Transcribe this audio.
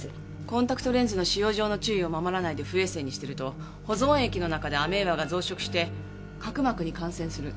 コンタクトレンズの使用上の注意を守らないで不衛生にしてると保存液の中でアメーバが増殖して角膜に感染する。